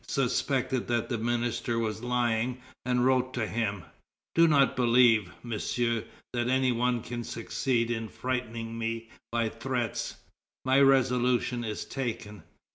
suspected that the minister was lying, and wrote to him: "Do not believe, Monsieur, that any one can succeed in frightening me by threats; my resolution is taken."